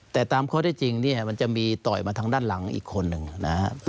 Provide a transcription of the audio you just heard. แต่ตามข้อได้จริงเนี่ยมันจะมีต่อยมาทางด้านหลังอีกคนหนึ่งนะครับ